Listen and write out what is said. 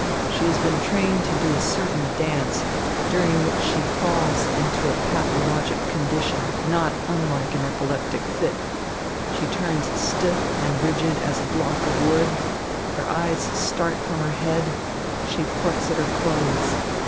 She has been trained to do a certain dance, during which she falls into a pathologic condition not unlike an epileptic fit. She turns stiff and rigid as a block of wood, her eyes start from her head, she plucks at her clothes.